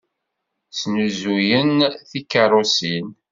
Snuzuyen tikeṛṛusin.